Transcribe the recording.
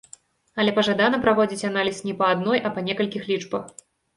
Але пажадана праводзіць аналіз не па адной, а па некалькіх лічбах.